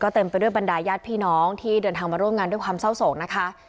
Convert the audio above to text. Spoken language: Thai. เต็มไปด้วยบรรดายญาติพี่น้องที่เดินทางมาร่วมงานด้วยความเศร้าโศกนะคะ